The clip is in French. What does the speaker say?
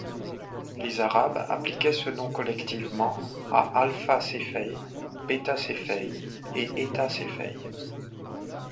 Les arabes appliquaient ce nom collectivement à Alpha Cephei, Beta Cephei et Eta Cephei.